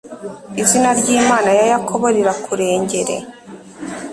izina ry’Imana ya Yakobo rirakurengere